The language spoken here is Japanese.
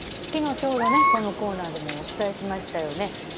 きのう、ちょうどね、このコーナーでもお伝えしましたよね。